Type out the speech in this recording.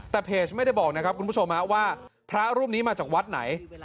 แต่เพจไม่ได้บอกนะครับคุณผู้ชมว่าพระรูปนี้มาจากวัดไหน